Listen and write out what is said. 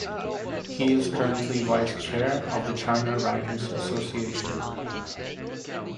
He is currently vice chair of the China Writers Association.